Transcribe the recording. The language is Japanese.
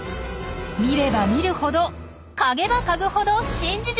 見れば見るほど嗅げば嗅ぐほど新事実！